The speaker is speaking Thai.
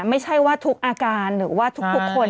ไม่ใช่ว่าทุกอาการหรือว่าทุกคน